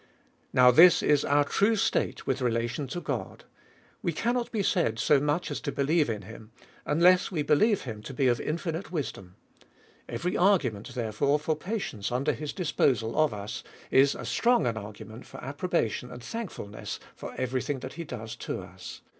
Now this is our true state with relation to God ; we cannot be said so much as to believe in him, unless we believe him to be of infinite wisdom. Every argu ment, therefore, for patience under his disposal of us, is as strong an argument for approbation and thank fulness for every thing that he does to us.